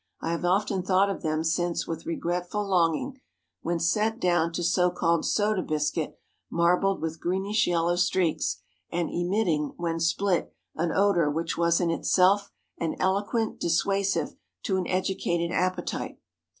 I have often thought of them since with regretful longing, when set down to so called "soda biscuit," marbled with greenish yellow streaks, and emitting, when split, an odor which was in itself an eloquent dissuasive to an educated appetite.